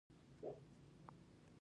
ښه نوم د نسلونو شتمني ده.